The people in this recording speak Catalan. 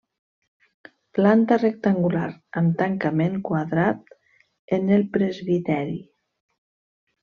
Planta rectangular amb tancament quadrat en el presbiteri.